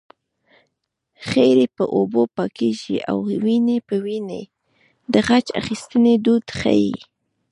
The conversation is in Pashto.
خیرې په اوبو پاکېږي او وينې په وينو د غچ اخیستنې دود ښيي